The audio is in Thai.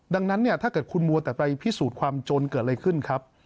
ดังนั้นเนี่ยถ้าเกิดคุณมัวแต่ไปพิสูจน์ความจนเกิดอะไรขึ้นครับ